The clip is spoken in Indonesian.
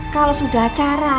kalau sudah acara